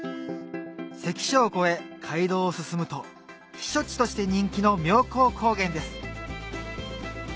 関所を越え街道を進むと避暑地として人気の妙高高原です